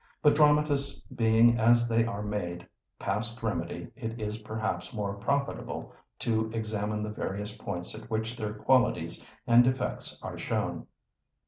But dramatists being as they are made—past remedy it is perhaps more profitable to examine the various points at which their qualities and defects are shown.